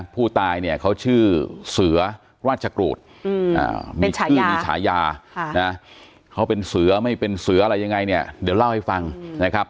ผู้ตายเนี่ยเขาชื่อเสือราชกรูดมีชื่อมีฉายานะเขาเป็นเสือไม่เป็นเสืออะไรยังไงเนี่ยเดี๋ยวเล่าให้ฟังนะครับ